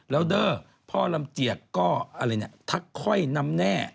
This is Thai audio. แล้วเด้อพ่อลำเจียกก็ทักคอยนำแน่